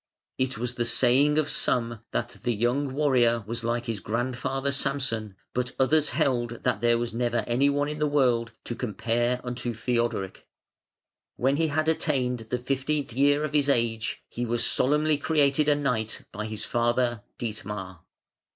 It was the saying of some that the young warrior was like his grandfather, Samson; but others held that there was never any one in the world to compare unto Theodoric. When he had attained the fifteenth year of his age he was solemnly created a knight by his father, Dietmar.